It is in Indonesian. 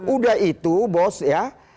udah itu bos ya